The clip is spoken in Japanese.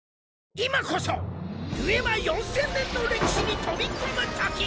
今こそデュエマ４０００年の歴史に飛び込むとき。